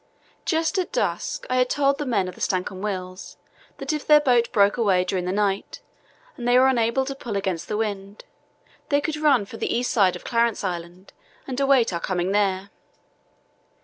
Just at dusk I had told the men on the Stancomb Wills that if their boat broke away during the night and they were unable to pull against the wind, they could run for the east side of Clarence Island and await our coming there.